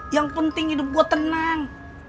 yang penting hidup gue tenang